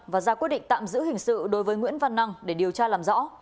và ra quyết định tạm giữ hình sự đối với nguyễn văn năng để điều tra làm rõ